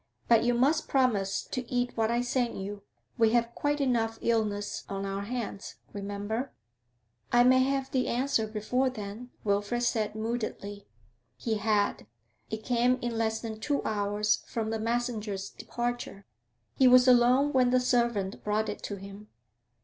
But you must promise to cat what I send you; we have quite enough illness on our hands, remember.' 'I may have the answer before then,' Wilfrid said, moodily. He had; it came in less than two hours from the messenger's departure. He was alone when the servant brought it to him.